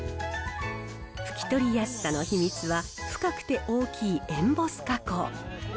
拭き取りやすさの秘密は深くて大きいエンボス加工。